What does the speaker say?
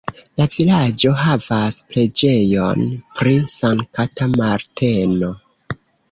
La vilaĝo havas preĝejon pri Sankta Marteno.